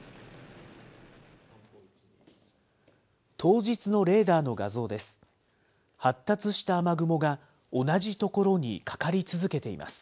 当日のレーダーの画像です。